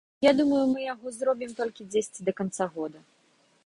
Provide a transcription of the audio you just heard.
Я думаю, мы яго зробім толькі дзесьці да канца года.